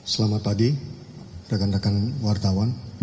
selamat pagi rekan rekan wartawan